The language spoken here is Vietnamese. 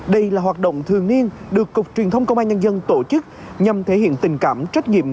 đây là hoạt động thường niên được cục truyền thông công an nhân dân tổ chức nhằm thể hiện tình cảm trách nhiệm